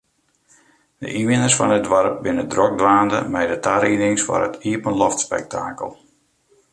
De ynwenners fan it doarp binne drok dwaande mei de tariedings foar it iepenloftspektakel.